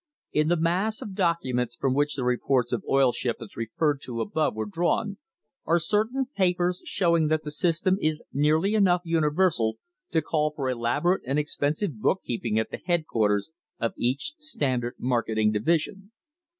In the mass of documents from which the reports of oil shipments referred to above were drawn, are certain papers showing that the system is nearly enough universal to call for elab orate and expensive bookkeeping at the headquarters of each Standard marketing division.